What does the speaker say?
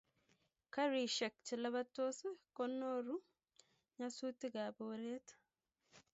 garishek che lapatos ko noru nyasutik ab oret